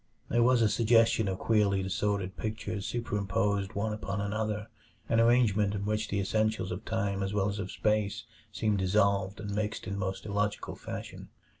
There was a suggestion of queerly disordered pictures superimposed one upon another; an arrangement in which the essentials of time as well as of space seemed dissolved and mixed in the most illogical fashion.